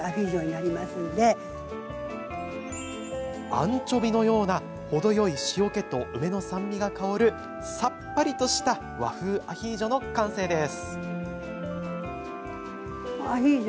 アンチョビのようなほどよい塩けと梅の酸味が香るさっぱりとした和風アヒージョの完成です。